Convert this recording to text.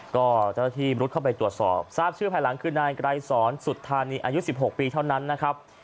ก็เจ้าหน้าที่รุดเข้าไปตรวจสอบทราบชื่อภายหลังคือนายไกรสอนสุธานีอายุ๑๖ปีเท่านั้นนะครับ